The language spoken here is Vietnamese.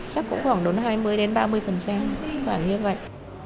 chắc cũng khoảng hai mươi ba mươi khoảng như vậy